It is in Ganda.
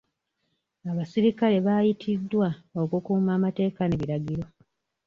Abasirikale baayitiddwa okukuuma amateeka n'ebiragiro.